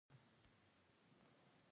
چې ښايي پر کارنګي دا ډېره بده ولګېږي.